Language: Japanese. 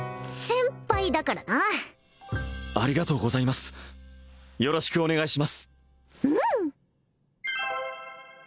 先輩だからなありがとうございますよろしくお願いしますうん！